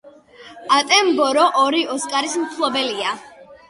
ატენბორო ორი ოსკარის მფლობელია.